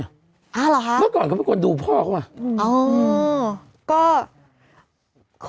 แต่แกร่งลองดูพ่อเขาเนี่ยเมื่อก่อนเขาบ้างกว่าดูพ่อเขามากอ๋อก็